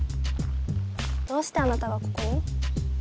どうしてあなたがここに？